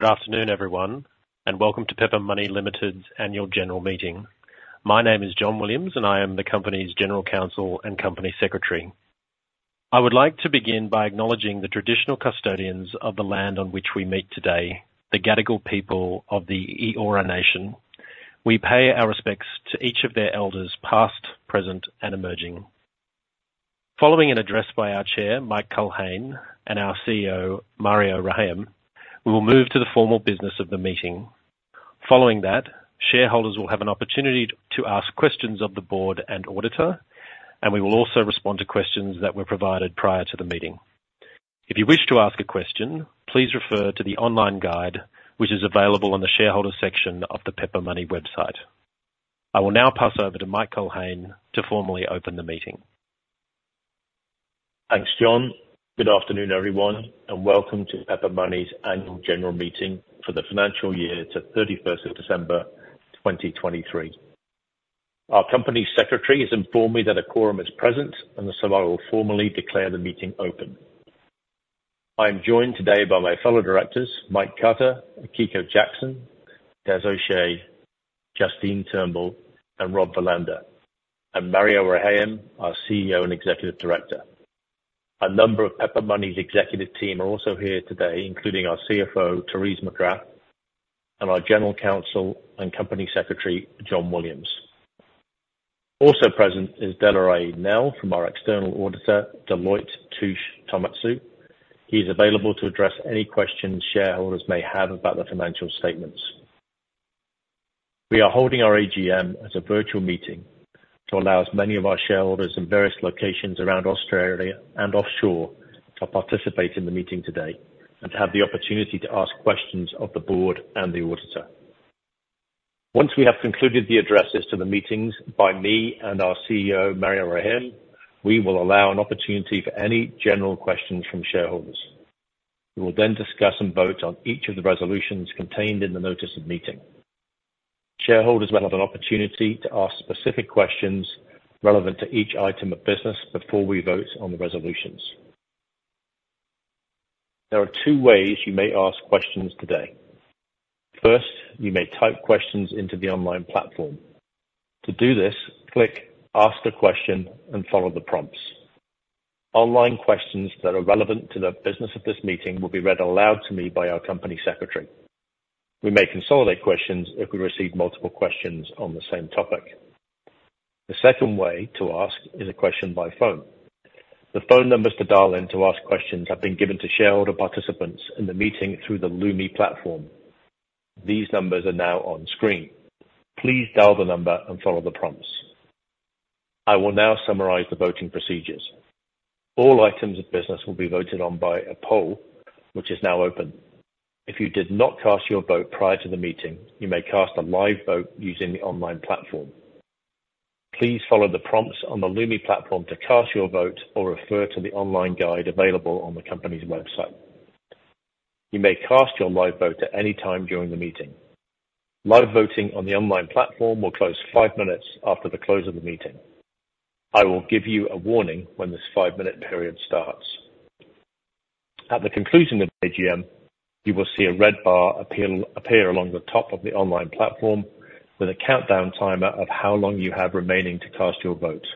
Good afternoon, everyone, and welcome to Pepper Money Limited's Annual General Meeting. My name is John Williams, and I am the company's General Counsel and Company Secretary. I would like to begin by acknowledging the traditional custodians of the land on which we meet today, the Gadigal people of the Eora Nation. We pay our respects to each of their elders, past, present, and emerging. Following an address by our Chair, Mike Culhane, and our CEO, Mario Rehayem, we will move to the formal business of the meeting. Following that, shareholders will have an opportunity to ask questions of the board and auditor, and we will also respond to questions that were provided prior to the meeting. If you wish to ask a question, please refer to the online guide, which is available on the Shareholders section of the Pepper Money website. I will now pass over to Mike Culhane to formally open the meeting. Thanks, John. Good afternoon, everyone, and welcome to Pepper Money's Annual General Meeting for the financial year to 31st of December, 2023. Our company secretary has informed me that a quorum is present, and so I will formally declare the meeting open. I am joined today by my fellow directors, Mike Cutter, Akiko Jackson, Des O’Shea, Justine Turnbull, and Rob Verlander, and Mario Rehayem, our CEO and Executive Director. A number of Pepper Money's executive team are also here today, including our CFO, Therese McGrath, and our general counsel and company secretary, John Williams. Also present is Delroy Nell from our external auditor, Deloitte Touche Tohmatsu. He is available to address any questions shareholders may have about the financial statements. We are holding our AGM as a virtual meeting to allow as many of our shareholders in various locations around Australia and offshore to participate in the meeting today and have the opportunity to ask questions of the board and the auditor. Once we have concluded the addresses to the meeting by me and our CEO, Mario Rehayem, we will allow an opportunity for any general questions from shareholders. We will then discuss and vote on each of the resolutions contained in the notice of meeting. Shareholders will have an opportunity to ask specific questions relevant to each item of business before we vote on the resolutions. There are two ways you may ask questions today. First, you may type questions into the online platform. To do this, click Ask the Question and follow the prompts. Online questions that are relevant to the business of this meeting will be read aloud to me by our company secretary. We may consolidate questions if we receive multiple questions on the same topic. The second way to ask is a question by phone. The phone numbers to dial in to ask questions have been given to shareholder participants in the meeting through the Lumi platform. These numbers are now on screen. Please dial the number and follow the prompts. I will now summarize the voting procedures. All items of business will be voted on by a poll, which is now open. If you did not cast your vote prior to the meeting, you may cast a live vote using the online platform. Please follow the prompts on the Lumi platform to cast your vote or refer to the online guide available on the company's website. You may cast your live vote at any time during the meeting. Live voting on the online platform will close 5 minutes after the close of the meeting. I will give you a warning when this 5-minute period starts. At the conclusion of the AGM, you will see a red bar appear along the top of the online platform with a countdown timer of how long you have remaining to cast your vote.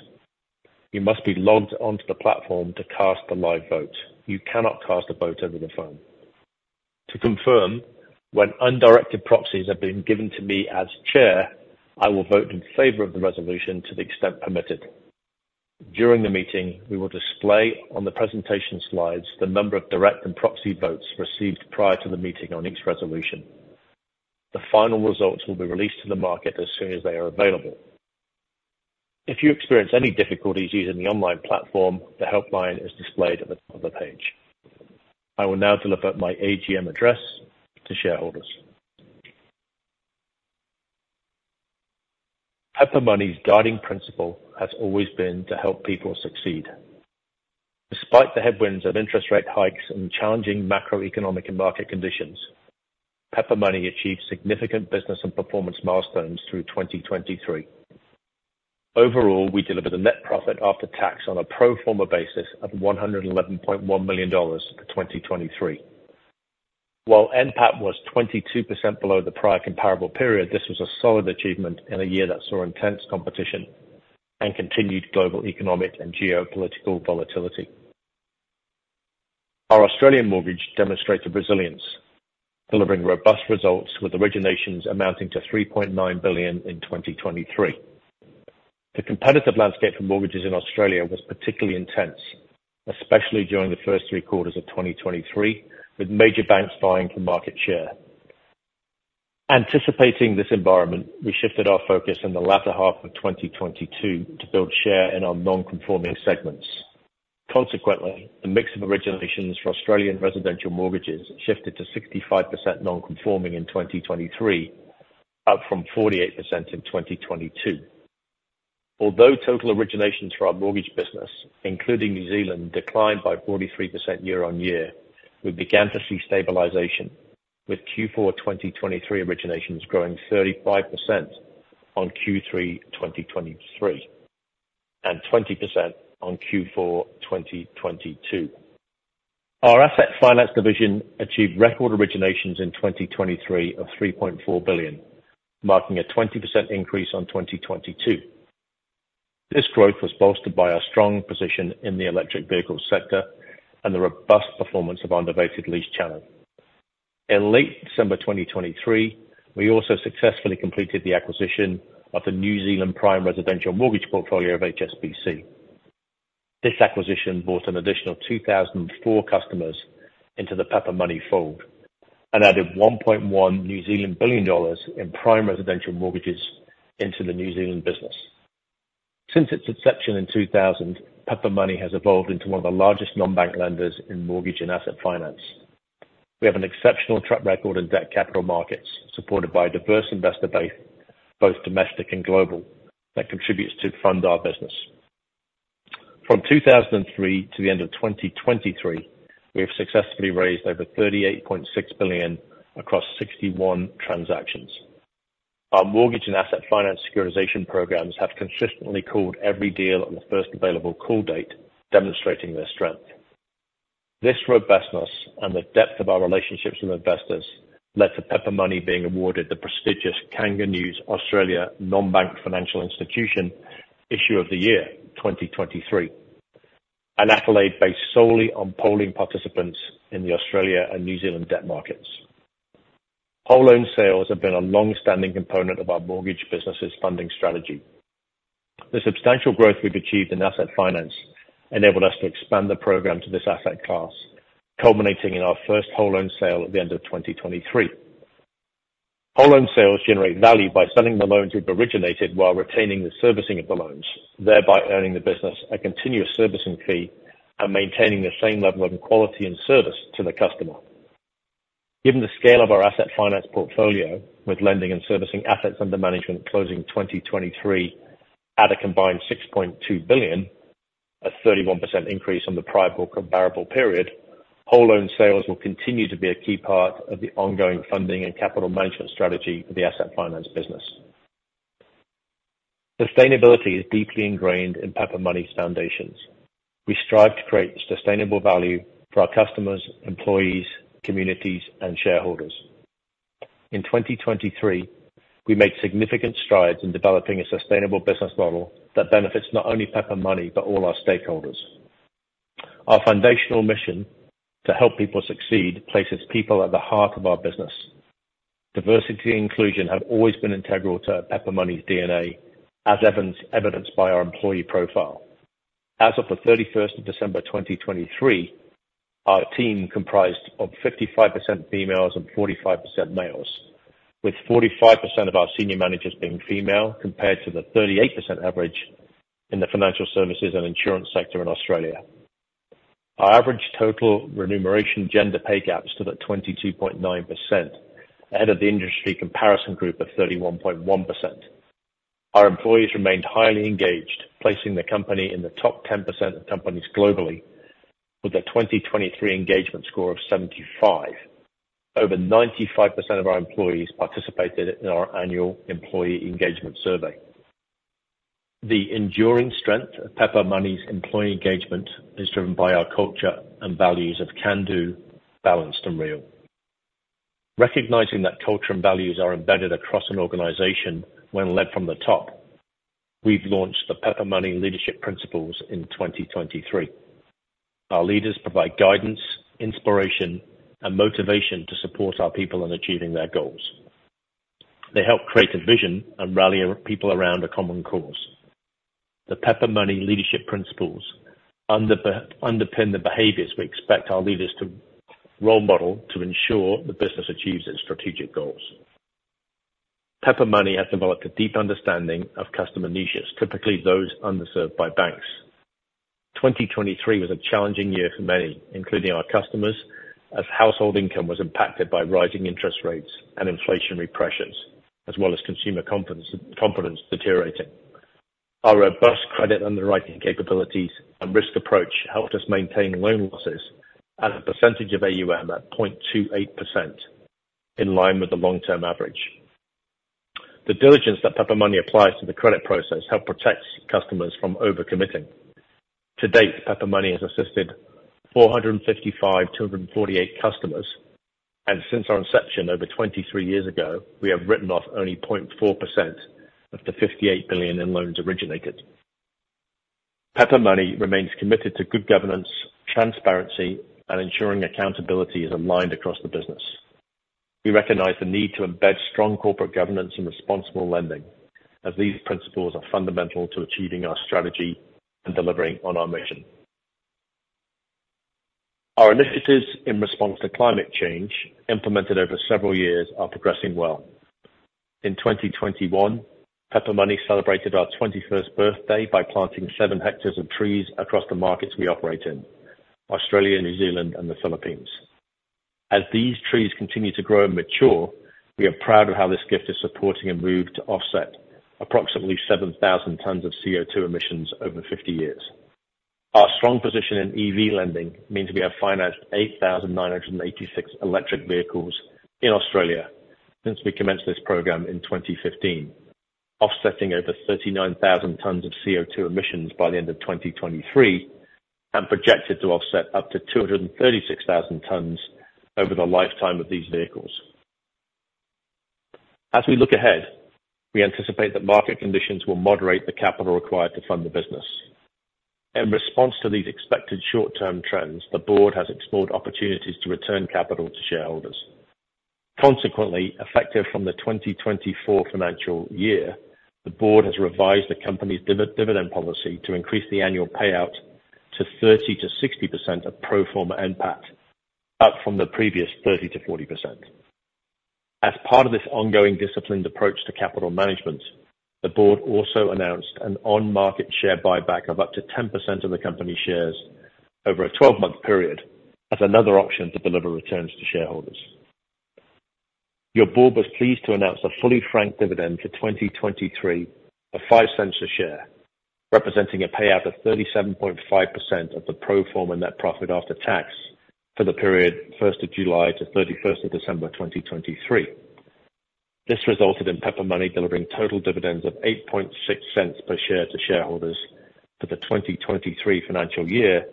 You must be logged onto the platform to cast a live vote. You cannot cast a vote over the phone. To confirm, when undirected proxies have been given to me as chair, I will vote in favor of the resolution to the extent permitted. During the meeting, we will display on the presentation slides the number of direct and proxy votes received prior to the meeting on each resolution. The final results will be released to the market as soon as they are available. If you experience any difficulties using the online platform, the helpline is displayed at the top of the page. I will now deliver my AGM address to shareholders. Pepper Money's guiding principle has always been to help people succeed. Despite the headwinds of interest rate hikes and challenging macroeconomic and market conditions, Pepper Money achieved significant business and performance milestones through 2023. Overall, we delivered a net profit after tax on a pro forma basis of 111.1 million dollars for 2023. While NPAT was 22% below the prior comparable period, this was a solid achievement in a year that saw intense competition and continued global economic and geopolitical volatility. Our Australian mortgage demonstrated resilience, delivering robust results, with originations amounting to 3.9 billion in 2023. The competitive landscape for mortgages in Australia was particularly intense, especially during the first three quarters of 2023, with major banks vying for market share. Anticipating this environment, we shifted our focus in the latter half of 2022 to build share in our non-conforming segments. Consequently, the mix of originations for Australian residential mortgages shifted to 65% non-conforming in 2023, up from 48% in 2022. Although total originations for our mortgage business, including New Zealand, declined by 43% year-on-year, we began to see stabilization, with Q4 2023 originations growing 35% on Q3 2023... and 20% on Q4 2022. Our asset finance division achieved record originations in 2023 of 3.4 billion, marking a 20% increase on 2022. This growth was bolstered by our strong position in the electric vehicle sector and the robust performance of our novated lease channel. In late December 2023, we also successfully completed the acquisition of the New Zealand prime residential mortgage portfolio of HSBC. This acquisition brought an additional 2,004 customers into the Pepper Money fold and added 1.1 billion New Zealand dollars in prime residential mortgages into the New Zealand business. Since its inception in 2000, Pepper Money has evolved into one of the largest non-bank lenders in mortgage and asset finance. We have an exceptional track record in debt capital markets, supported by a diverse investor base, both domestic and global, that contributes to fund our business. From 2003 to the end of 2023, we have successfully raised over 38.6 billion across 61 transactions. Our mortgage and asset finance securitization programs have consistently called every deal on the first available call date, demonstrating their strength. This robustness and the depth of our relationships with investors led to Pepper Money being awarded the prestigious KangaNews Australia Non-Bank Financial Institution Issue of the Year, 2023. An accolade based solely on polling participants in the Australia and New Zealand debt markets. Whole loan sales have been a long-standing component of our mortgage business's funding strategy. The substantial growth we've achieved in asset finance enabled us to expand the program to this asset class, culminating in our first whole loan sale at the end of 2023. Whole loan sales generate value by selling the loans we've originated while retaining the servicing of the loans, thereby earning the business a continuous servicing fee and maintaining the same level of quality and service to the customer. Given the scale of our asset finance portfolio, with lending and servicing assets under management closing 2023 at a combined 6.2 billion, a 31% increase on the prior comparable period, whole loan sales will continue to be a key part of the ongoing funding and capital management strategy for the asset finance business. Sustainability is deeply ingrained in Pepper Money's foundations. We strive to create sustainable value for our customers, employees, communities, and shareholders. In 2023, we made significant strides in developing a sustainable business model that benefits not only Pepper Money, but all our stakeholders. Our foundational mission to help people succeed places people at the heart of our business. Diversity and inclusion have always been integral to Pepper Money's DNA, as evidenced by our employee profile. As of the 31st of December 2023, our team comprised of 55% females and 45% males, with 45% of our senior managers being female, compared to the 38% average in the financial services and insurance sector in Australia. Our average total remuneration gender pay gap stood at 22.9%, ahead of the industry comparison group of 31.1%. Our employees remained highly engaged, placing the company in the top 10% of companies globally with a 2023 engagement score of 75. Over 95% of our employees participated in our annual employee engagement survey. The enduring strength of Pepper Money's employee engagement is driven by our culture and values of can-do, balanced, and real. Recognizing that culture and values are embedded across an organization when led from the top, we've launched the Pepper Money Leadership Principles in 2023. Our leaders provide guidance, inspiration, and motivation to support our people in achieving their goals. They help create a vision and rally our people around a common cause. The Pepper Money Leadership Principles underpin the behaviors we expect our leaders to role model to ensure the business achieves its strategic goals. Pepper Money has developed a deep understanding of customer niches, typically those underserved by banks. 2023 was a challenging year for many, including our customers, as household income was impacted by rising interest rates and inflationary pressures, as well as consumer confidence deteriorating. Our robust credit underwriting capabilities and risk approach helped us maintain loan losses at a percentage of AUM at 0.28%, in line with the long-term average. The diligence that Pepper Money applies to the credit process help protect customers from over-committing. To date, Pepper Money has assisted 455,248 customers, and since our inception over 23 years ago, we have written off only 0.4% of the 58 billion in loans originated. Pepper Money remains committed to good governance, transparency, and ensuring accountability is aligned across the business. We recognize the need to embed strong corporate governance and responsible lending, as these principles are fundamental to achieving our strategy and delivering on our mission. Our initiatives in response to climate change, implemented over several years, are progressing well. In 2021, Pepper Money celebrated our 21st birthday by planting 7 hectares of trees across the markets we operate in, Australia, New Zealand, and the Philippines. As these trees continue to grow and mature, we are proud of how this gift is supporting a move to offset approximately 7,000 tons of CO2 emissions over 50 years. Our strong position in EV lending means we have financed 8,986 electric vehicles in Australia since we commenced this program in 2015, offsetting over 39,000 tons of CO2 emissions by the end of 2023, and projected to offset up to 236,000 tons over the lifetime of these vehicles. As we look ahead, we anticipate that market conditions will moderate the capital required to fund the business. In response to these expected short-term trends, the board has explored opportunities to return capital to shareholders. Consequently, effective from the 2024 financial year, the board has revised the company's dividend policy to increase the annual payout to 30%-60% of pro forma NPAT, up from the previous 30%-40%. As part of this ongoing disciplined approach to capital management, the board also announced an on-market share buyback of up to 10% of the company shares over a 12-month period as another option to deliver returns to shareholders. Your board was pleased to announce a fully franked dividend for 2023 of 0.05 a share, representing a payout of 37.5% of the pro forma net profit after tax for the period first of July to 31st of December, 2023. This resulted in Pepper Money delivering total dividends of 0.086 per share to shareholders for the 2023 financial year,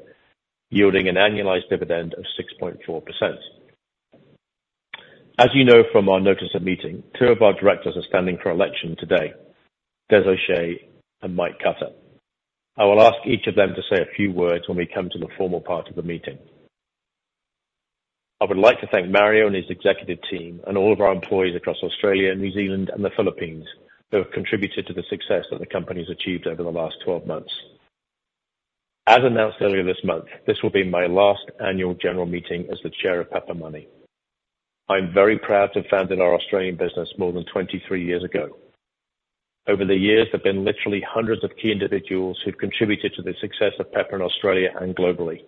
yielding an annualized dividend of 6.4%. As you know from our notice of meeting, two of our directors are standing for election today, Des O'Shea and Mike Cutter. I will ask each of them to say a few words when we come to the formal part of the meeting. I would like to thank Mario and his executive team, and all of our employees across Australia, New Zealand, and the Philippines, who have contributed to the success that the company has achieved over the last 12 months. As announced earlier this month, this will be my last annual general meeting as the Chair of Pepper Money. I'm very proud to have founded our Australian business more than 23 years ago. Over the years, there have been literally hundreds of key individuals who've contributed to the success of Pepper in Australia and globally.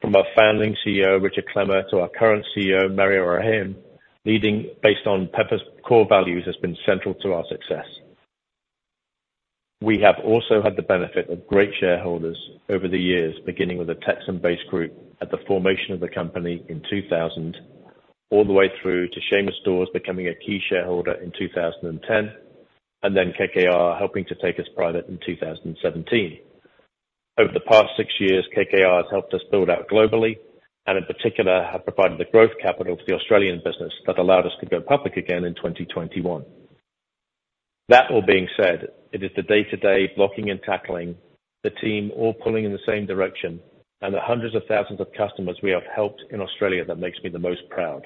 From our founding CEO, Richard Clemmer, to our current CEO, Mario Rehayem, leading based on Pepper's core values has been central to our success. We have also had the benefit of great shareholders over the years, beginning with the Texan-based group at the formation of the company in 2000, all the way through to Seamus Dawes becoming a key shareholder in 2010, and then KKR helping to take us private in 2017. Over the past six years, KKR has helped us build out globally, and in particular, have provided the growth capital to the Australian business that allowed us to go public again in 2021. That all being said, it is the day-to-day blocking and tackling, the team all pulling in the same direction, and the hundreds of thousands of customers we have helped in Australia that makes me the most proud.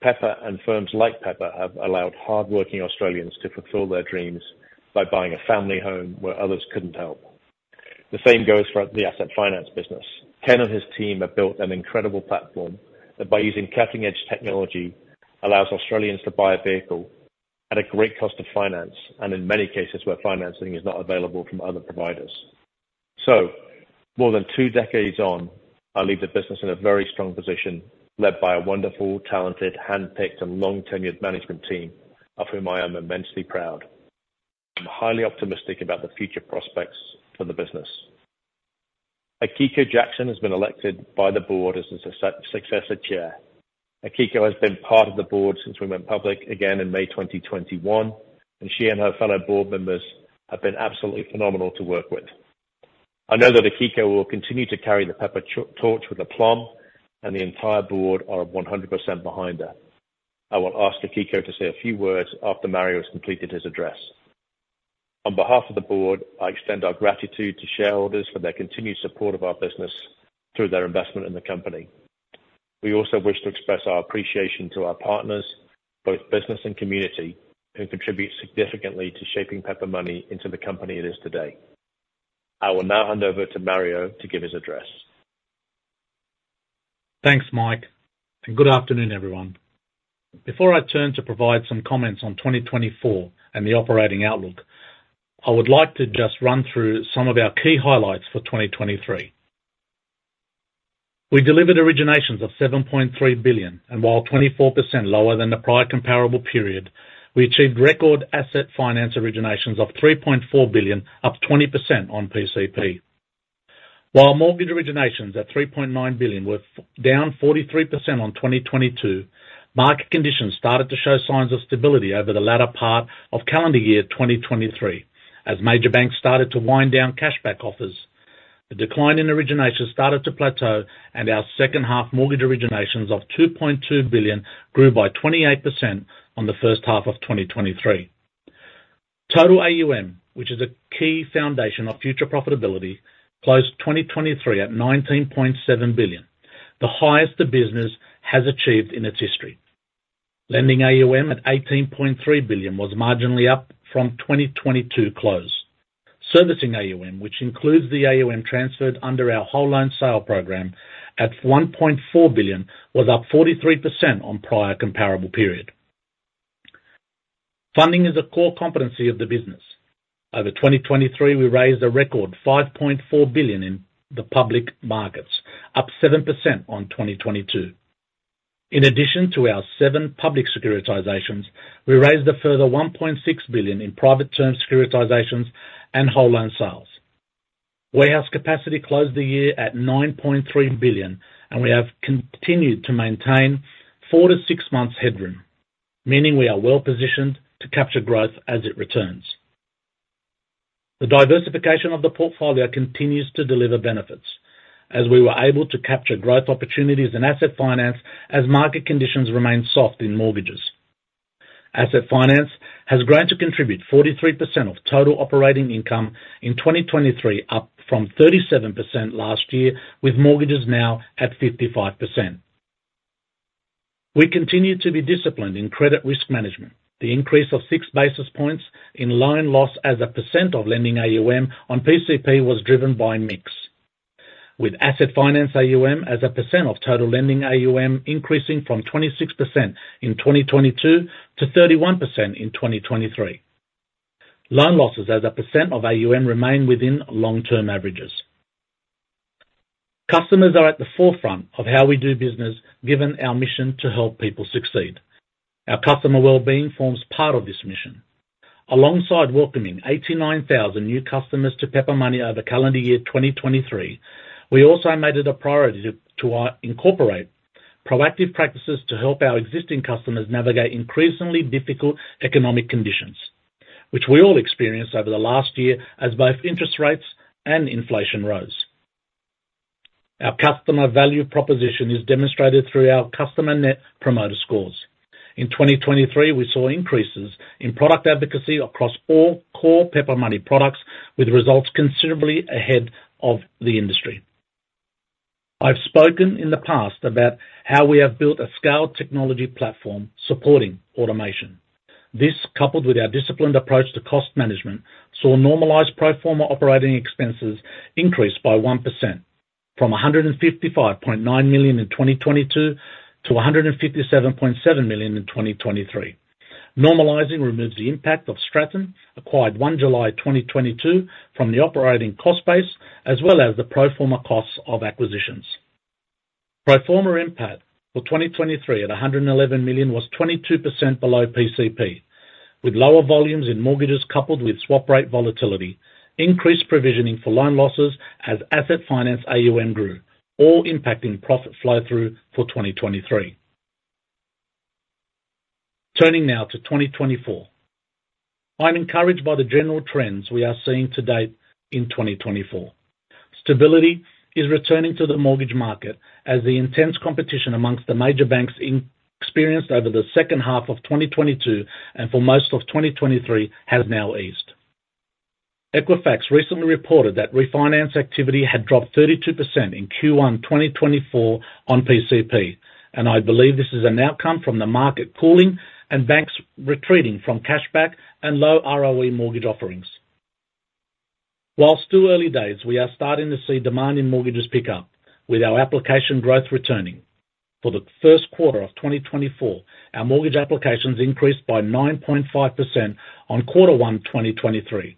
Pepper and firms like Pepper have allowed hardworking Australians to fulfill their dreams by buying a family home where others couldn't help. The same goes for the asset finance business. Ken and his team have built an incredible platform that, by using cutting-edge technology, allows Australians to buy a vehicle at a great cost of finance, and in many cases, where financing is not available from other providers. So more than two decades on, I leave the business in a very strong position, led by a wonderful, talented, handpicked, and long-tenured management team, of whom I am immensely proud. I'm highly optimistic about the future prospects for the business. Akiko Jackson has been elected by the board as the successor chair. Akiko has been part of the board since we went public again in May 2021, and she and her fellow board members have been absolutely phenomenal to work with. I know that Akiko will continue to carry the Pepper torch with aplomb, and the entire board are 100% behind her. I will ask Akiko to say a few words after Mario has completed his address. On behalf of the board, I extend our gratitude to shareholders for their continued support of our business through their investment in the company. We also wish to express our appreciation to our partners, both business and community, who contribute significantly to shaping Pepper Money into the company it is today. I will now hand over to Mario to give his address. Thanks, Mike, and good afternoon, everyone. Before I turn to provide some comments on 2024 and the operating outlook, I would like to just run through some of our key highlights for 2023. We delivered originations of 7.3 billion, and while 24% lower than the prior comparable period, we achieved record asset finance originations of 3.4 billion, up 20% on PCP. While mortgage originations at 3.9 billion were down 43% on 2022, market conditions started to show signs of stability over the latter part of calendar year 2023, as major banks started to wind down cashback offers. The decline in originations started to plateau, and our second half mortgage originations of 2.2 billion grew by 28% on the first half of 2023. Total AUM, which is a key foundation of future profitability, closed 2023 at 19.7 billion, the highest the business has achieved in its history. Lending AUM at 18.3 billion was marginally up from 2022 close. Servicing AUM, which includes the AUM transferred under our whole loan sale program at 1.4 billion, was up 43% on prior comparable period. Funding is a core competency of the business. Over 2023, we raised a record 5.4 billion in the public markets, up 7% on 2022. In addition to our seven public securitizations, we raised a further 1.6 billion in private term securitizations and whole loan sales. Warehouse capacity closed the year at 9.3 billion, and we have continued to maintain 4-6 months headroom, meaning we are well-positioned to capture growth as it returns. The diversification of the portfolio continues to deliver benefits, as we were able to capture growth opportunities in asset finance as market conditions remain soft in mortgages. Asset finance has grown to contribute 43% of total operating income in 2023, up from 37% last year, with mortgages now at 55%. We continue to be disciplined in credit risk management. The increase of 6 basis points in loan loss as a percent of lending AUM on PCP was driven by mix, with asset finance AUM as a percent of total lending AUM increasing from 26% in 2022 to 31% in 2023. Loan losses as a percent of AUM remain within long-term averages. Customers are at the forefront of how we do business, given our mission to help people succeed. Our customer well-being forms part of this mission. Alongside welcoming 89,000 new customers to Pepper Money over calendar year 2023, we also made it a priority to incorporate proactive practices to help our existing customers navigate increasingly difficult economic conditions, which we all experienced over the last year as both interest rates and inflation rose. Our customer value proposition is demonstrated through our customer net promoter scores. In 2023, we saw increases in product advocacy across all core Pepper Money products, with results considerably ahead of the industry. I've spoken in the past about how we have built a scaled technology platform supporting automation. This, coupled with our disciplined approach to cost management, saw normalized pro forma operating expenses increase by 1%, from 155.9 million in 2022 to 157.7 million in 2023. Normalizing removes the impact of Stratton, acquired 1 July 2022, from the operating cost base, as well as the pro forma costs of acquisitions. Pro forma NPAT for 2023 at 111 million was 22% below PCP, with lower volumes in mortgages coupled with swap rate volatility, increased provisioning for loan losses as asset finance AUM grew, all impacting profit flow-through for 2023. Turning now to 2024. I'm encouraged by the general trends we are seeing to date in 2024. Stability is returning to the mortgage market as the intense competition among the major banks experienced over the second half of 2022, and for most of 2023, has now eased. Equifax recently reported that refinance activity had dropped 32% in Q1 2024 on PCP, and I believe this is an outcome from the market cooling and banks retreating from cashback and low ROE mortgage offerings. While still early days, we are starting to see demand in mortgages pick up, with our application growth returning. For the first quarter of 2024, our mortgage applications increased by 9.5% on Q1 2023.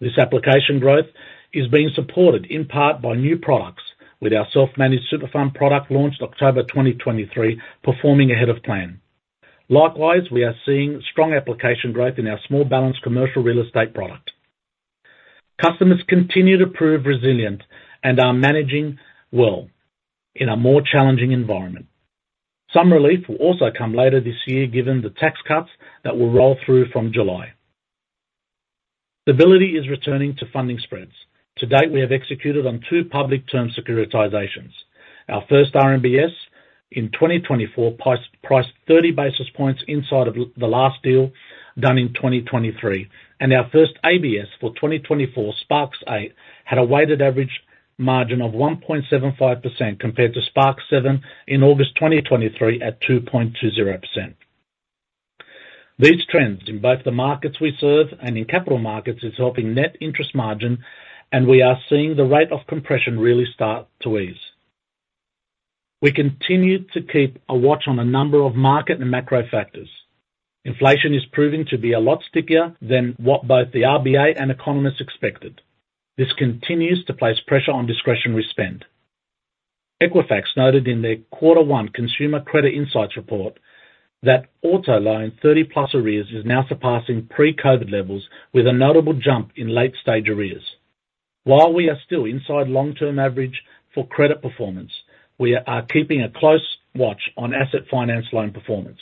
This application growth is being supported in part by new products, with our self-managed super fund product, launched October 2023, performing ahead of plan. Likewise, we are seeing strong application growth in our small balance commercial real estate product. Customers continue to prove resilient and are managing well in a more challenging environment. Some relief will also come later this year, given the tax cuts that will roll through from July. Stability is returning to funding spreads. To date, we have executed on two public term securitizations. Our first RMBS in 2024 priced 30 basis points inside of the last deal done in 2023, and our first ABS for 2024, SPARKZ 8, had a weighted average margin of 1.75%, compared to SPARKZ 7 in August 2023 at 2.20%. These trends in both the markets we serve and in capital markets is helping net interest margin, and we are seeing the rate of compression really start to ease. We continue to keep a watch on a number of market and macro factors. Inflation is proving to be a lot stickier than what both the RBA and economists expected. This continues to place pressure on discretionary spend. Equifax noted in their quarter one Consumer Credit Insights report that auto loan 30-plus arrears is now surpassing pre-COVID levels, with a notable jump in late-stage arrears. While we are still inside long-term average for credit performance, we are keeping a close watch on asset finance loan performance.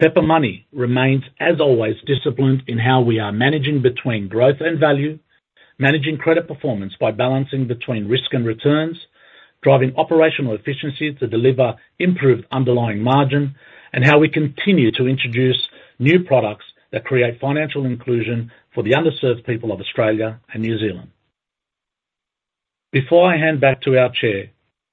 Pepper Money remains, as always, disciplined in how we are managing between growth and value, managing credit performance by balancing between risk and returns, driving operational efficiency to deliver improved underlying margin, and how we continue to introduce new products that create financial inclusion for the underserved people of Australia and New Zealand. Before I hand back to our chair,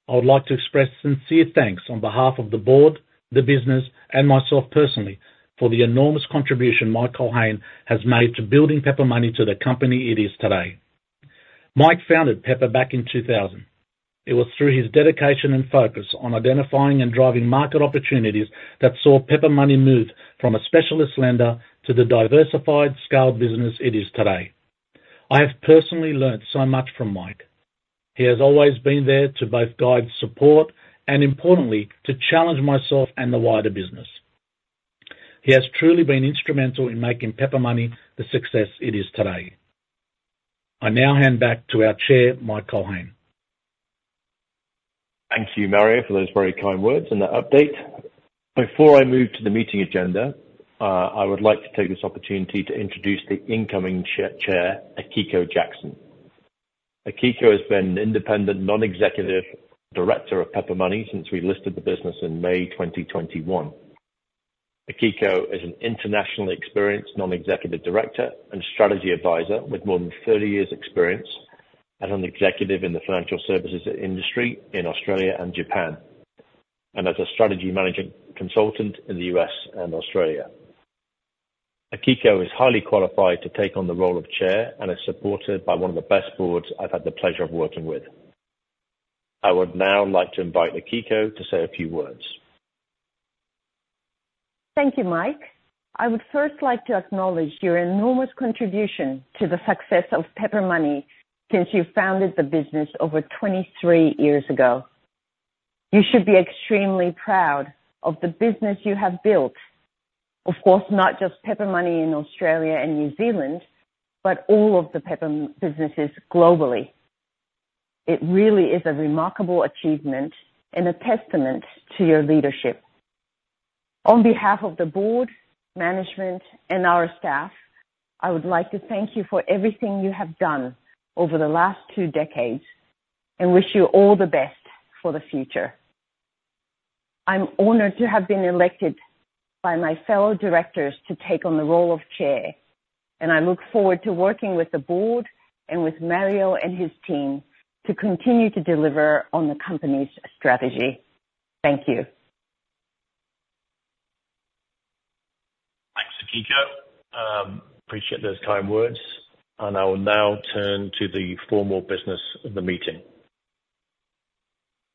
I would like to express sincere thanks on behalf of the board, the business, and myself personally, for the enormous contribution Mike Culhane has made to building Pepper Money to the company it is today. Mike founded Pepper back in 2000. It was through his dedication and focus on identifying and driving market opportunities that saw Pepper Money move from a specialist lender to the diversified scaled business it is today... I have personally learned so much from Mike. He has always been there to both guide, support, and importantly, to challenge myself and the wider business. He has truly been instrumental in making Pepper Money the success it is today. I now hand back to our chair, Mike Culhane. Thank you, Mario, for those very kind words and the update. Before I move to the meeting agenda, I would like to take this opportunity to introduce the incoming chair, Akiko Jackson. Akiko has been an independent non-executive director of Pepper Money since we listed the business in May 2021. Akiko is an internationally experienced non-executive director and strategy advisor, with more than 30 years experience as an executive in the financial services industry in Australia and Japan, and as a strategy manager consultant in the U.S. and Australia. Akiko is highly qualified to take on the role of chair and is supported by one of the best boards I've had the pleasure of working with. I would now like to invite Akiko to say a few words. Thank you, Mike. I would first like to acknowledge your enormous contribution to the success of Pepper Money since you founded the business over 23 years ago. You should be extremely proud of the business you have built. Of course, not just Pepper Money in Australia and New Zealand, but all of the Pepper businesses globally. It really is a remarkable achievement and a testament to your leadership. On behalf of the board, management, and our staff, I would like to thank you for everything you have done over the last two decades and wish you all the best for the future. I'm honored to have been elected by my fellow directors to take on the role of chair, and I look forward to working with the board and with Mario and his team to continue to deliver on the company's strategy. Thank you. Thanks, Akiko. Appreciate those kind words, and I will now turn to the formal business of the meeting.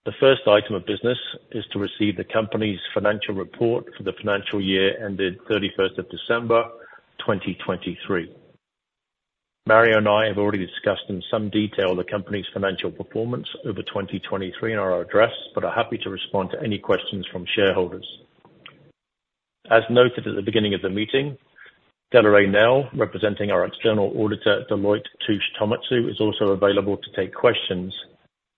The first item of business is to receive the company's financial report for the financial year, ended 31st of December 2023. Mario and I have already discussed in some detail the company's financial performance over 2023 in our address, but are happy to respond to any questions from shareholders. As noted at the beginning of the meeting, Delroy Nell, representing our external auditor, Deloitte Touche Tohmatsu, is also available to take questions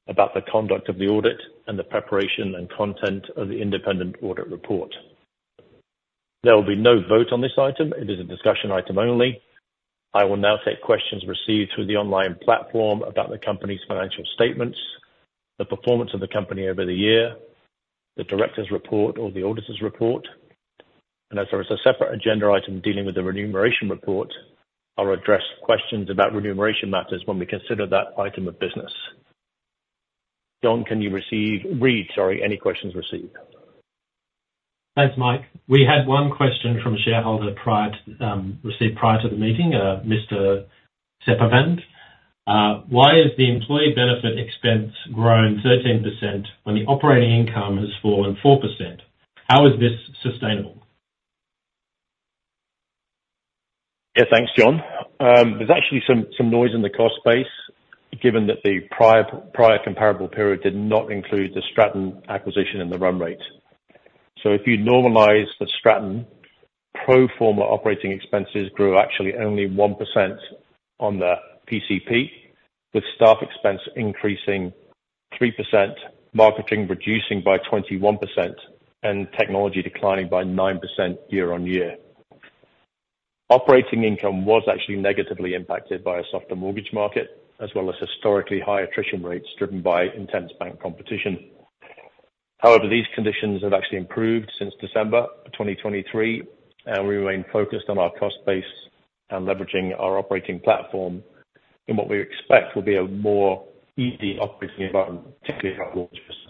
about the conduct of the audit and the preparation and content of the independent audit report. There will be no vote on this item. It is a discussion item only. I will now take questions received through the online platform about the company's financial statements, the performance of the company over the year, the directors' report or the auditors' report, and as there is a separate agenda item dealing with the remuneration report, I'll address questions about remuneration matters when we consider that item of business. John, can you read, sorry, any questions received? Thanks, Mike. We had one question from a shareholder prior to, received prior to the meeting, Mr. Sepevand. Why has the employee benefit expense grown 13% when the operating income has fallen 4%? How is this sustainable? Yeah, thanks, John. There's actually some noise in the cost base, given that the prior comparable period did not include the Stratton acquisition and the run rate. So if you normalize the Stratton, pro forma operating expenses grew actually only 1% on the PCP, with staff expense increasing 3%, marketing reducing by 21%, and technology declining by 9% year-on-year. Operating income was actually negatively impacted by a softer mortgage market, as well as historically high attrition rates driven by intense bank competition. However, these conditions have actually improved since December of 2023, and we remain focused on our cost base and leveraging our operating platform in what we expect will be a more easy operating environment, particularly in our mortgage business.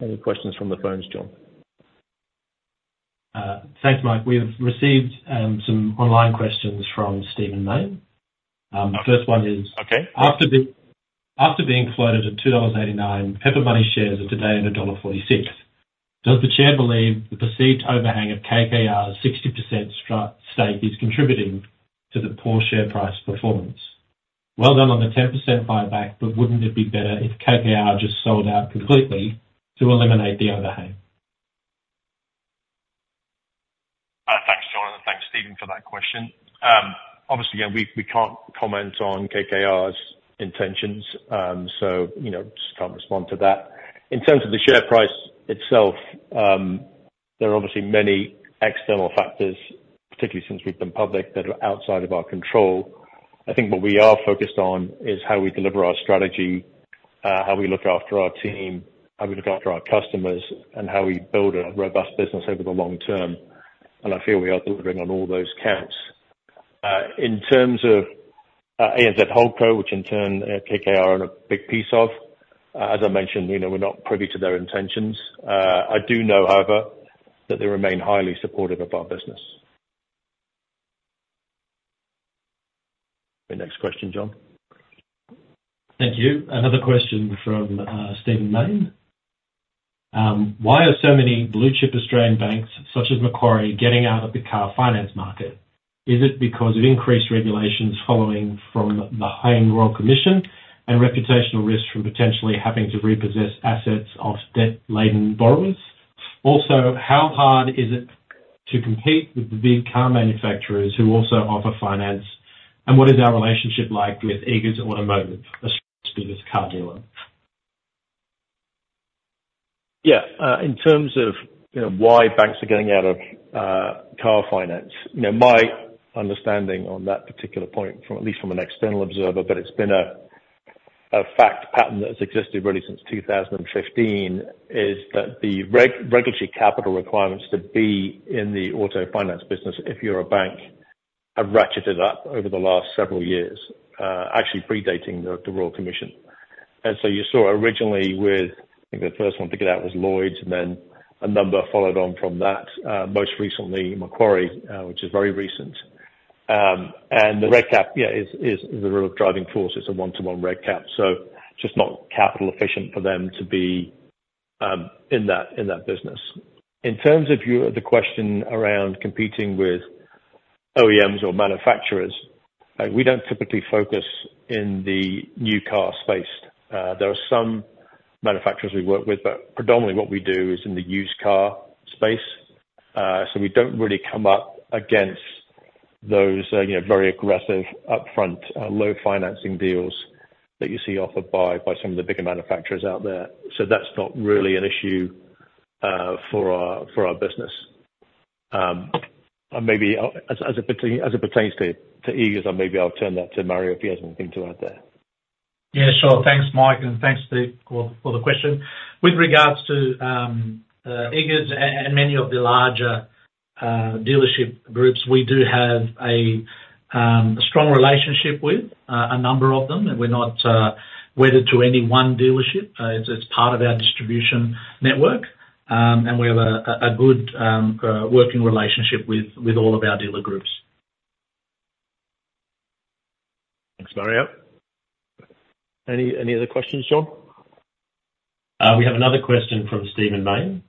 Any questions from the phones, John? Thanks, Mike. We've received some online questions from Stephen Mayne. The first one is- Okay. After being floated at 2.89 dollars, Pepper Money shares are today at dollar 1.46. Does the Chair believe the perceived overhang of KKR's 60% stake is contributing to the poor share price performance? Well done on the 10% buyback, but wouldn't it be better if KKR just sold out completely to eliminate the overhang? Thanks, John, and thanks, Stephen, for that question. Obviously, again, we can't comment on KKR's intentions. So, you know, just can't respond to that. In terms of the share price itself, there are obviously many external factors, particularly since we've been public, that are outside of our control. I think what we are focused on is how we deliver our strategy, how we look after our team, how we look after our customers, and how we build a robust business over the long term. And I feel we are delivering on all those counts. In terms of ANZ Holdco, which in turn KKR own a big piece of, as I mentioned, you know, we're not privy to their intentions. I do know, however, that they remain highly supportive of our business... The next question, John? Thank you. Another question from Stephen Mayne. Why are so many blue-chip Australian banks, such as Macquarie, getting out of the car finance market? Is it because of increased regulations following from the Hayne Royal Commission and reputational risks from potentially having to repossess assets of debt-laden borrowers? Also, how hard is it to compete with the big car manufacturers who also offer finance? And what is our relationship like with Eagers Automotive, a prestigious car dealer? Yeah. In terms of, you know, why banks are getting out of car finance, you know, my understanding on that particular point from, at least from an external observer, but it's been a fact pattern that's existed really since 2015, is that the regulatory capital requirements to be in the auto finance business, if you're a bank, have ratcheted up over the last several years. Actually predating the Royal Commission. And so you saw originally with, I think the first one to get out was Lloyds, and then a number followed on from that. Most recently, Macquarie, which is very recent. And the reg cap is the real driving force. It's a one-to-one reg cap, so just not capital efficient for them to be in that business. In terms of the question around competing with OEMs or manufacturers, we don't typically focus in the new car space. There are some manufacturers we work with, but predominantly what we do is in the used car space. So we don't really come up against those, you know, very aggressive, upfront, low financing deals that you see offered by some of the bigger manufacturers out there. So that's not really an issue for our business. And maybe as it pertains to Eagers, or maybe I'll turn that to Mario, if he has anything to add there. Yeah, sure. Thanks, Mike, and thanks, Steve, for the question. With regards to Eagers and many of the larger dealership groups, we do have a strong relationship with a number of them, and we're not wedded to any one dealership. It's part of our distribution network. And we have a good working relationship with all of our dealer groups. Thanks, Mario. Any, any other questions, John? We have another question from Stephen Mayne.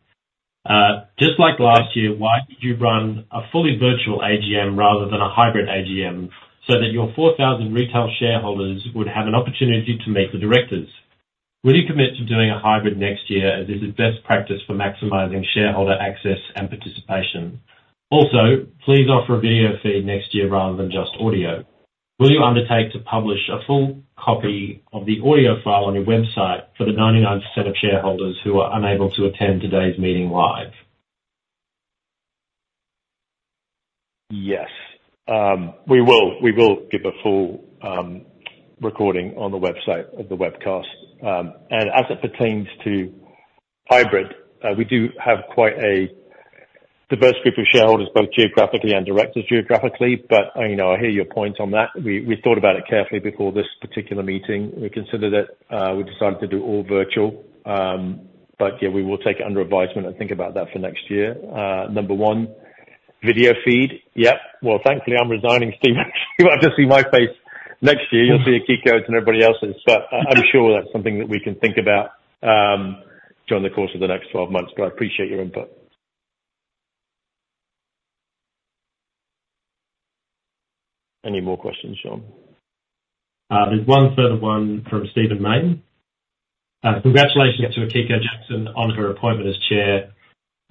Just like last year, why did you run a fully virtual AGM rather than a hybrid AGM, so that your 4,000 retail shareholders would have an opportunity to meet the directors? Will you commit to doing a hybrid next year, as is a best practice for maximizing shareholder access and participation? Also, please offer a video feed next year rather than just audio. Will you undertake to publish a full copy of the audio file on your website for the 99% of shareholders who are unable to attend today's meeting live? Yes. We will, we will give a full recording on the website of the webcast. As it pertains to hybrid, we do have quite a diverse group of shareholders, both geographically and directors geographically, but, you know, I hear your point on that. We, we thought about it carefully before this particular meeting. We considered it, we decided to do all virtual. But yeah, we will take it under advisement and think about that for next year. Number one, video feed. Yep. Well, thankfully, I'm resigning, Stephen. You won't have to see my face next year. You'll see Akiko's and everybody else's, but I'm sure that's something that we can think about during the course of the next 12 months, but I appreciate your input. Any more questions, John? There's one further one from Stephen Mayne. Congratulations to Akiko Jackson on her appointment as chair.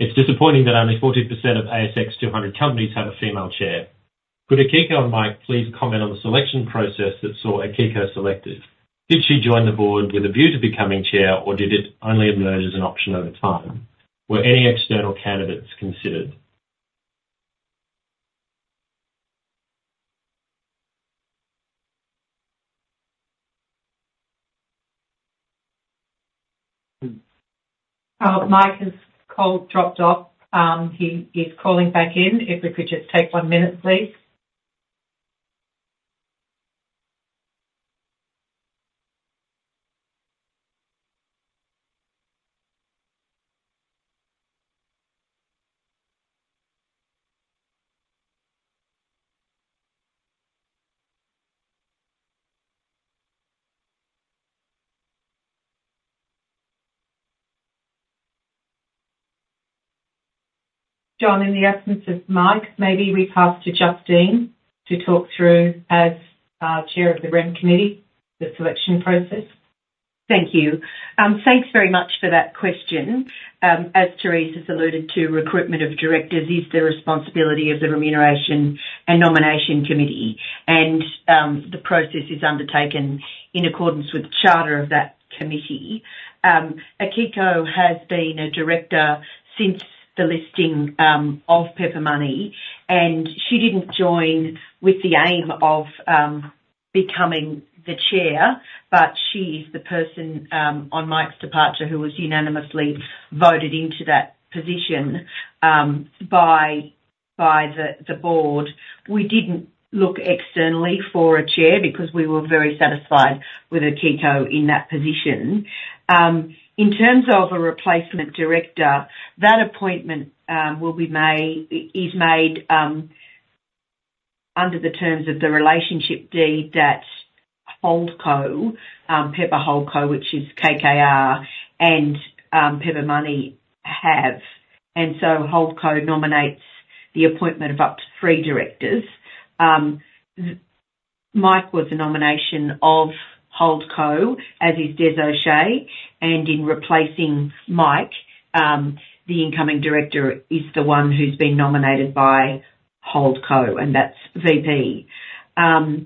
It's disappointing that only 14% of ASX 200 companies have a female chair. Could Akiko and Mike please comment on the selection process that saw Akiko selected? Did she join the board with a view to becoming chair, or did it only emerge as an option over time? Were any external candidates considered? Mike's call dropped off. He is calling back in. If we could just take one minute, please. John, in the absence of Mike, maybe we pass to Justine to talk through, as chair of the Rem committee, the selection process. Thank you. Thanks very much for that question. As Therese has alluded to, recruitment of directors is the responsibility of the Remuneration and Nomination Committee, and the process is undertaken in accordance with the charter of that committee. Akiko has been a director since the listing of Pepper Money, and she didn't join with the aim of becoming the chair, but she is the person, on Mike's departure, who was unanimously voted into that position by the board. We didn't look externally for a chair because we were very satisfied with Akiko in that position. In terms of a replacement director, that appointment is made under the terms of the relationship deed that Holdco, Pepper Holdco, which is KKR and Pepper Money have. So Holdco nominates the appointment of up to three directors. Mike was a nomination of Holdco, as is Des O’Shea, and in replacing Mike, the incoming director is the one who's been nominated by Holdco, and that's VP. I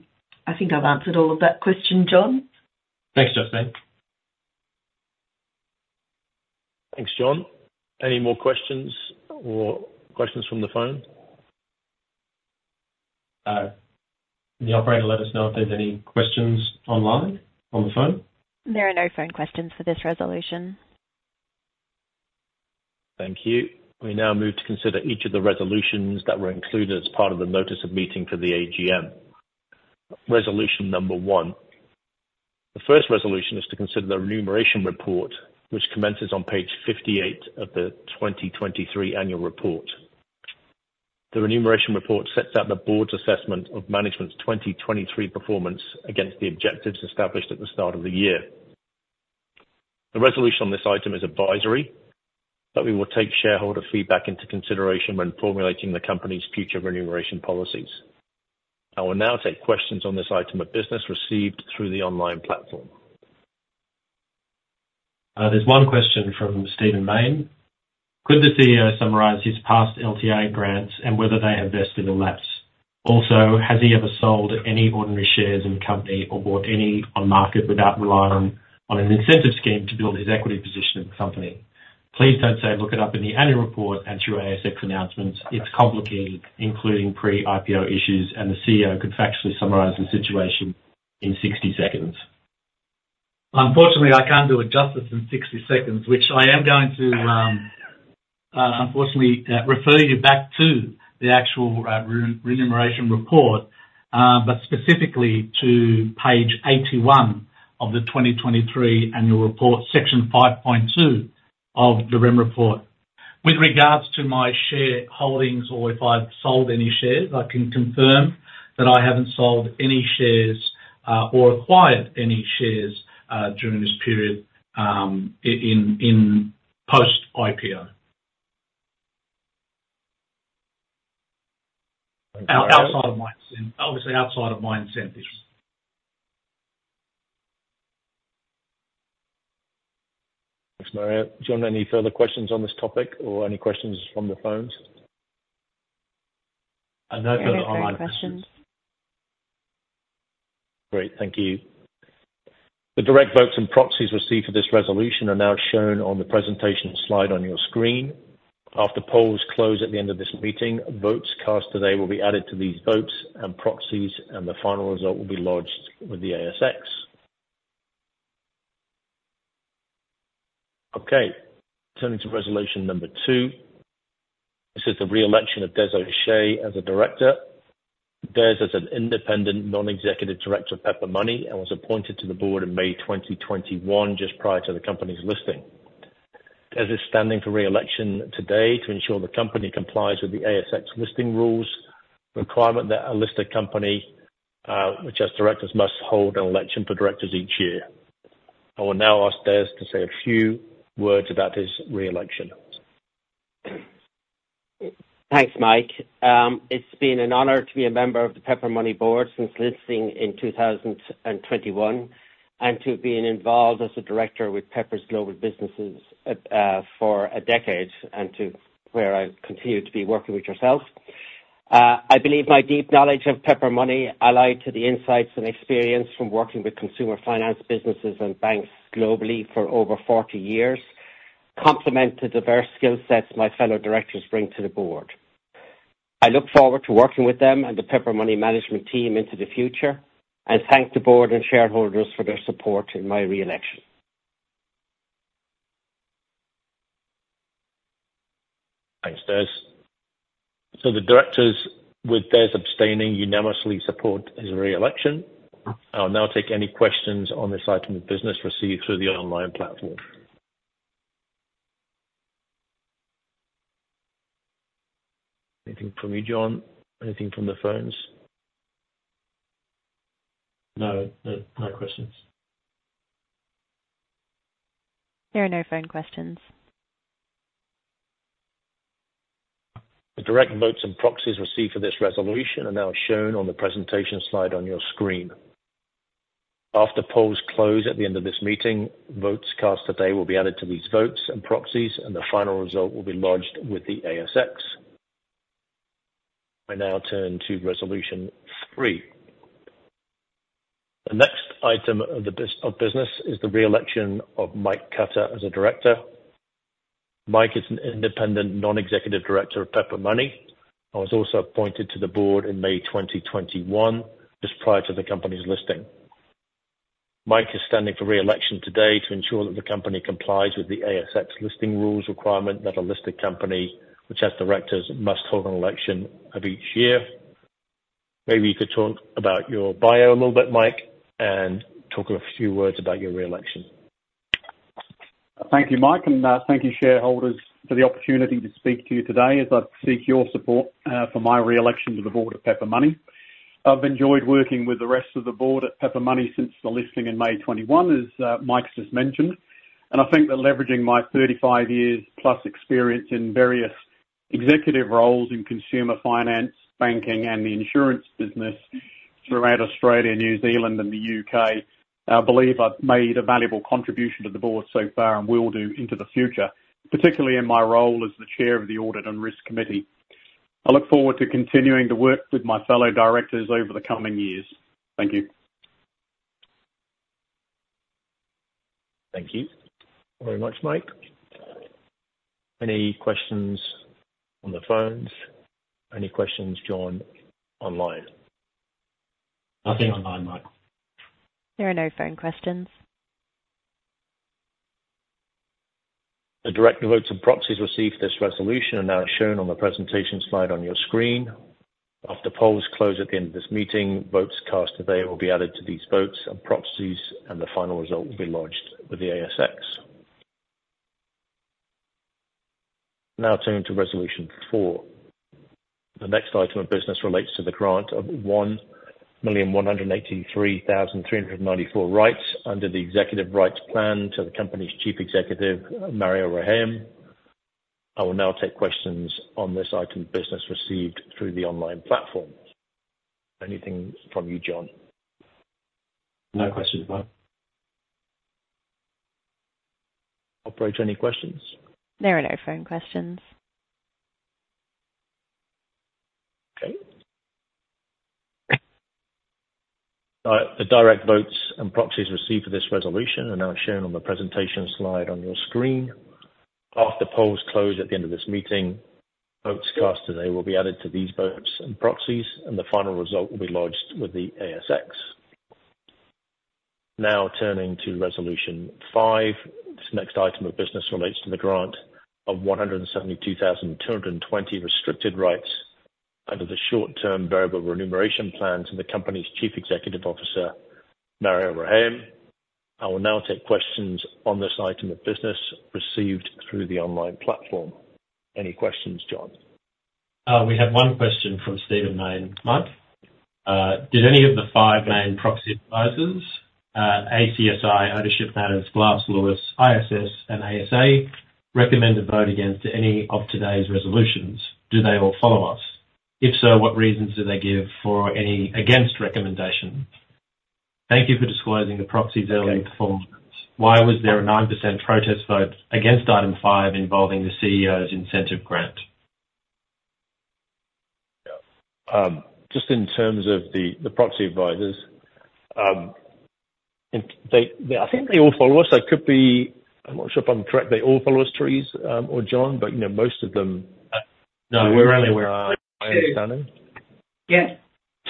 think I've answered all of that question, John? Thanks, Justine. Thanks, John. Any more questions or questions from the phone? Can the operator let us know if there's any questions online, on the phone? There are no phone questions for this resolution. Thank you. We now move to consider each of the resolutions that were included as part of the notice of meeting for the AGM. Resolution number one. The first resolution is to consider the remuneration report, which commences on page 58 of the 2023 annual report. The remuneration report sets out the board's assessment of management's 2023 performance against the objectives established at the start of the year. The resolution on this item is advisory, but we will take shareholder feedback into consideration when formulating the company's future remuneration policies. I will now take questions on this item of business received through the online platform. There's one question from Stephen Mayne: Could the CEO summarize his past LTI grants and whether they have vested or lapsed? Also, has he ever sold any ordinary shares in the company or bought any on market without relying on an incentive scheme to build his equity position in the company? Please don't say, "Look it up in the annual report and through ASX announcements." It's complicated, including pre-IPO issues, and the CEO could factually summarize the situation in 60 seconds. Unfortunately, I can't do it justice in 60 seconds, which I am going to, unfortunately, refer you back to the actual, remuneration report, but specifically to page 81 of the 2023 annual report, section 5.2 of the REM report. With regards to my share holdings, or if I've sold any shares, I can confirm that I haven't sold any shares, or acquired any shares, during this period, in post-IPO. Thank you very- Obviously, outside of my incentives. Thanks, Mario. John, any further questions on this topic or any questions from the phones? I know there are online questions. There are no further questions. Great, thank you. The direct votes and proxies received for this resolution are now shown on the presentation slide on your screen. After polls close at the end of this meeting, votes cast today will be added to these votes and proxies, and the final result will be lodged with the ASX. Okay, turning to resolution number two. This is the re-election of Des O’Shea as a director. Des is an independent non-executive director of Pepper Money and was appointed to the board in May 2021, just prior to the company's listing. Des is standing for re-election today to ensure the company complies with the ASX listing rules, requirement that a listed company, which as directors must hold an election for directors each year. I will now ask Des to say a few words about his re-election. Thanks, Mike. It's been an honor to be a member of the Pepper Money board since listing in 2021, and to have been involved as a director with Pepper's global businesses, for a decade, and to where I continue to be working with yourself. I believe my deep knowledge of Pepper Money, allied to the insights and experience from working with consumer finance businesses and banks globally for over 40 years, complement the diverse skill sets my fellow directors bring to the board. I look forward to working with them and the Pepper Money management team into the future, and thank the board and shareholders for their support in my re-election. Thanks, Des. So the directors, with Des abstaining, unanimously support his re-election. I'll now take any questions on this item of business received through the online platform. Anything from you, John? Anything from the phones? No, no, no questions. There are no phone questions. The direct votes and proxies received for this resolution are now shown on the presentation slide on your screen. After polls close at the end of this meeting, votes cast today will be added to these votes and proxies, and the final result will be lodged with the ASX. I now turn to resolution three. The next item of business is the re-election of Mike Cutter as a director. Mike is an independent non-executive director of Pepper Money and was also appointed to the board in May 2021, just prior to the company's listing. Mike is standing for re-election today to ensure that the company complies with the ASX listing rules requirement, that a listed company, which as directors, must hold an election of each year. Maybe you could talk about your bio a little bit, Mike, and talk a few words about your re-election. Thank you, Mike, and thank you, shareholders, for the opportunity to speak to you today as I seek your support for my re-election to the board of Pepper Money. I've enjoyed working with the rest of the board at Pepper Money since the listing in May 2021, as Mike just mentioned. And I think that leveraging my 35 years plus experience in various executive roles in consumer finance, banking, and the insurance business throughout Australia, New Zealand, and the U.K., I believe I've made a valuable contribution to the board so far and will do into the future, particularly in my role as the chair of the Audit and Risk Committee. I look forward to continuing to work with my fellow directors over the coming years. Thank you. Thank you very much, Mike. Any questions on the phones? Any questions, John, online? Nothing online, Mike. There are no phone questions. The director votes and proxies received for this resolution are now shown on the presentation slide on your screen. After polls close at the end of this meeting, votes cast today will be added to these votes and proxies, and the final result will be lodged with the ASX. Now turning to resolution four. The next item of business relates to the grant of 1,183,394 rights under the executive rights plan to the company's Chief Executive, Mario Rehayem. I will now take questions on this item of business received through the online platform. Anything from you, John? No questions, Mike. Operator, any questions? There are no phone questions. Okay. The direct votes and proxies received for this resolution are now shown on the presentation slide on your screen. After polls close at the end of this meeting, votes cast today will be added to these votes and proxies, and the final result will be lodged with the ASX. Now, turning to resolution 5. This next item of business relates to the grant of 172,220 restricted rights under the short-term variable remuneration plans and the company's Chief Executive Officer, Mario Rehayem. I will now take questions on this item of business received through the online platform. Any questions, John? We have one question from Stephen Mayne, Mike. Did any of the five main proxy advisors, ACSI, Ownership Matters, Glass Lewis, ISS, and ASA, recommend a vote against any of today's resolutions? Do they all follow us? If so, what reasons do they give for any against recommendation? Thank you for disclosing the proxies early performance. Why was there a 9% protest vote against item five, involving the CEO's incentive grant? Yeah. Just in terms of the proxy advisors, and they, I think they all follow us. There could be... I'm not sure if I'm correct, they all follow us, Therese, or John, but, you know, most of them- No, we're only aware of two. My understanding. Yes.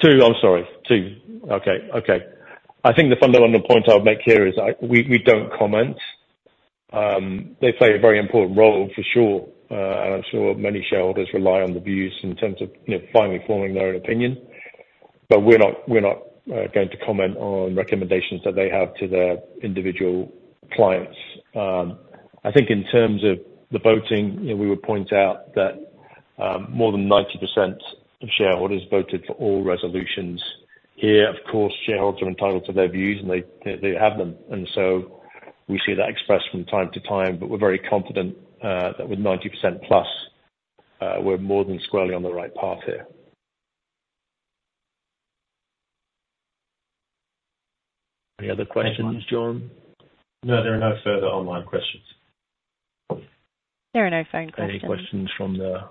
Two. I'm sorry. Two. Okay, okay. I think the fundamental point I would make here is we don't comment. They play a very important role for sure, and I'm sure many shareholders rely on the views in terms of, you know, finally forming their own opinion. But we're not going to comment on recommendations that they have to their individual clients. I think in terms of the voting, you know, we would point out that more than 90% of shareholders voted for all resolutions here. Of course, shareholders are entitled to their views, and they have them, and so we see that expressed from time to time, but we're very confident that with 90% plus, we're more than squarely on the right path here. Any other questions, John? No, there are no further online questions. There are no phone questions. Any questions from the...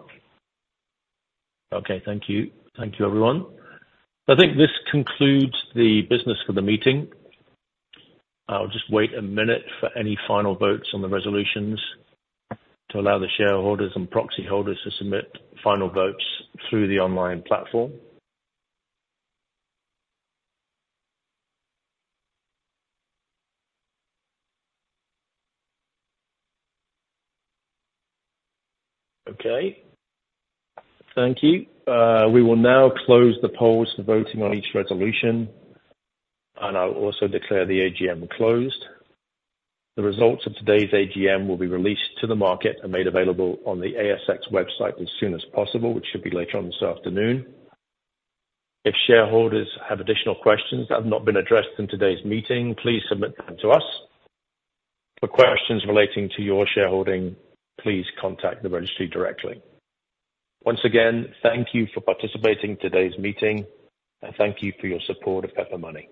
Okay, thank you. Thank you, everyone. I think this concludes the business for the meeting. I'll just wait a minute for any final votes on the resolutions to allow the shareholders and proxy holders to submit final votes through the online platform. Okay, thank you. We will now close the polls for voting on each resolution, and I'll also declare the AGM closed. The results of today's AGM will be released to the market and made available on the ASX website as soon as possible, which should be later on this afternoon. If shareholders have additional questions that have not been addressed in today's meeting, please submit them to us. For questions relating to your shareholding, please contact the registry directly. Once again, thank you for participating in today's meeting, and thank you for your support of Pepper Money.